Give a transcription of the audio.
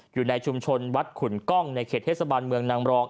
อยู่ในชุมชนวัดขุนกล้องในเขตเทศบาลเมืองนางรอง